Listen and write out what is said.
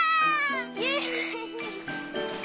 イエイ！